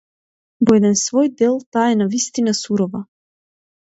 Во еден свој дел таа е навистина сурова.